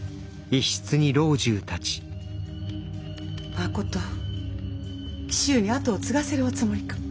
まこと紀州に跡を継がせるおつもりか！